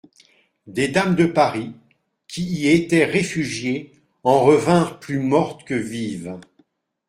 Des dames de Paris, qui y étaient réfugiées, en revinrent plus mortes que vives.